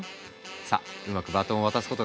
さあうまくバトンを渡すことができるのかな？